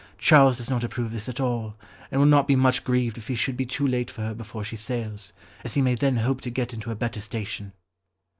Charles does not approve of this at all, and will not be much grieved if he should be too late for her before she sails, as he may then hope to get into a better station."